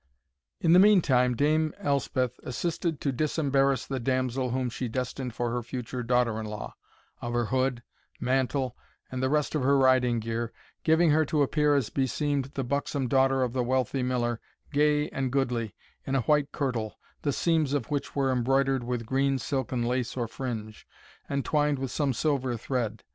In the meantime Dame Elspeth assisted to disembarrass the damsel whom she destined for her future daughter in law, of her hood, mantle, and the rest of her riding gear, giving her to appear as beseemed the buxom daughter of the wealthy Miller, gay and goodly, in a white kirtle, the seams of which were embroidered with green silken lace or fringe, entwined with some silver thread.